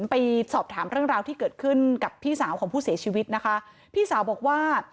ไปสอบถามเรื่องราวที่เกิดขึ้นกับพี่สาวของผู้เสียชีวิตนะคะพี่สาวบอกว่า